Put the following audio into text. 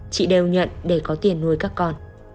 chị đều nhận để có tiền nuôi các con